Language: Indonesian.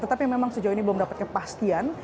tetapi memang sejauh ini belum dapat kepastian